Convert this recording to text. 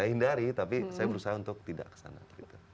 saya hindari tapi saya berusaha untuk tidak kesana